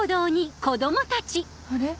あれ？